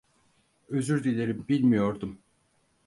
Özür dilerim, bilmiyordum.